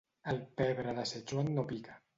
El pebre de Sichuan no pica.